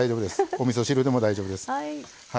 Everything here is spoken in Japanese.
おみそ汁でも大丈夫です。